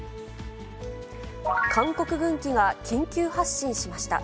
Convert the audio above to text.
韓国軍機が緊急発進しました。